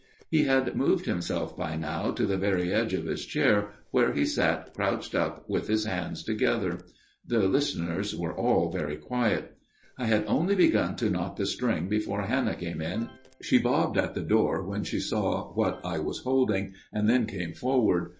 He had moved himself by now to the very edge of his chair where he sat crouched up with his hands together. The listeners were all very quiet. " I had hardly begun to knot the string before Hannah came in. She bobbed at the door when she saw what I was holding, and then came forward.